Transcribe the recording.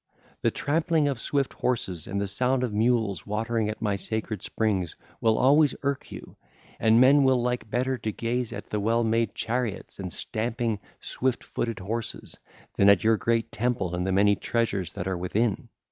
The trampling of swift horses and the sound of mules watering at my sacred springs will always irk you, and men will like better to gaze at the well made chariots and stamping, swift footed horses than at your great temple and the many treasures that are within.